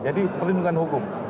jadi perlindungan hukum